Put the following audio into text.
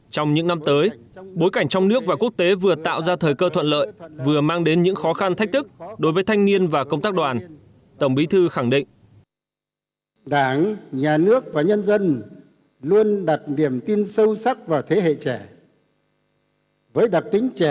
trong những năm tới bối cảnh trong nước và quốc tế vừa tạo ra thời cơ thuận lợi vừa mang đến những khó khăn thách thức đối với thanh niên và công tác đoàn tổng bí thư khẳng định